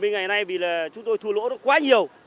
bảy mươi ngày nay vì là chúng tôi thua lỗ quá nhiều